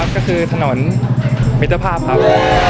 ก็คือถนนมิตรภาพครับ